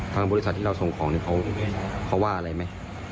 ทางบริษัทที่เราส่งของเนี่ยเขาว่าอะไรไหม